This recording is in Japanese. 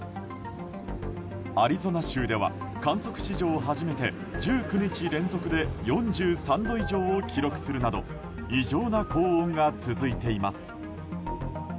アリゾナ州では観測史上初めて１９日連続で４３度以上を記録するなど異常な高温が続いています。